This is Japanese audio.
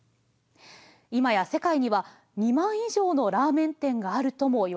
今や世界には２万以上のラーメン店があるともいわれています。